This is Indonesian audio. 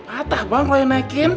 patah bang kalau yang naikin